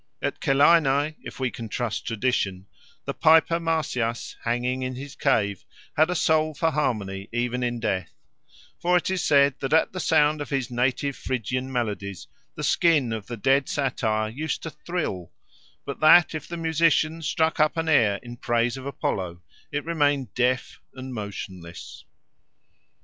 At Celaenae, if we can trust tradition, the piper Marsyas, hanging in his cave, had a soul for harmony even in death; for it is said that at the sound of his native Phrygian melodies the skin of the dead satyr used to thrill, but that if the musician struck up an air in praise of Apollo it remained deaf and motionless.